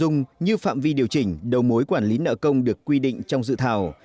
nội dung như phạm vi điều chỉnh đầu mối quản lý nợ công được quy định trong dự thảo